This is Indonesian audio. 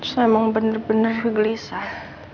saya memang bener bener gelisah